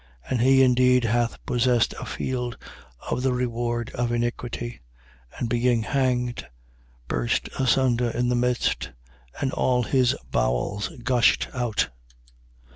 1:18. And he indeed hath possessed a field of the reward of iniquity, and being hanged, burst asunder in the midst: and all his bowels gushed out.